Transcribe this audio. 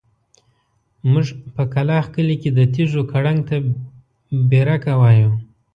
موږ په کلاخ کلي کې د تيږو کړنګ ته بېرکه وايو.